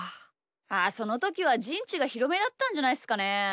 ああそのときはじんちがひろめだったんじゃないっすかね。